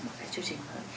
một cái chương trình mới